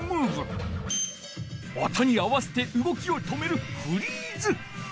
音に合わせてうごきを止める「フリーズ」。